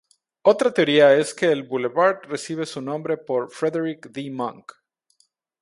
Otra teoría, es que el boulevard recibe su nombre por Frederick D. Monk.